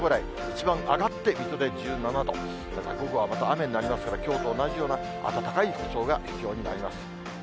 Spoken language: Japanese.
一番上がって、水戸で１７度、午後はまた雨になりますから、きょうと同じような暖かい服装が必要になります。